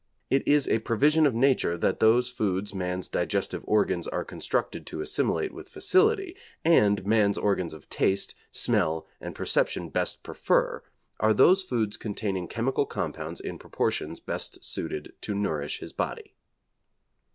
It is a provision of Nature that those foods man's digestive organs are constructed to assimilate with facility, and man's organs of taste, smell, and perception best prefer, are those foods containing chemical compounds in proportions best suited to nourish his body.